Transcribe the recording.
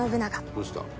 どうした？